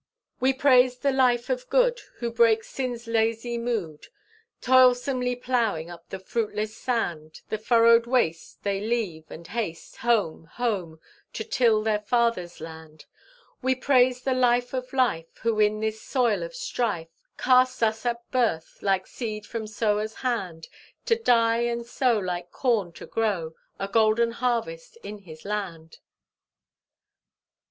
We praise the Life of Good, Who breaks sin's lazy mood, Toilsomely ploughing up the fruitless sand. The furrowed waste They leave, and haste Home, home, to till their Father's land. We praise the Life of Life, Who in this soil of strife Casts us at birth, like seed from sower's hand; To die and so Like corn to grow A golden harvest in his land."